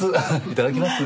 いただきます。